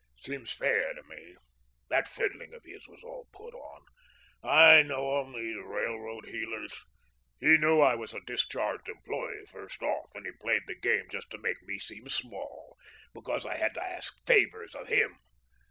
Seems fair to me. That fiddling of his was all put on. I know 'em, these railroad heelers. He knew I was a discharged employee first off, and he played the game just to make me seem small because I had to ask favours of him.